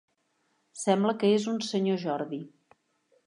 Sembla que és un Sr. Jordi.